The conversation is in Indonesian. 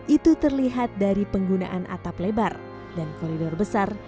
itu terlihat dari penggunaan atap lebar dan koridor besar